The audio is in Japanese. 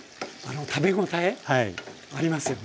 食べ応えありますよね。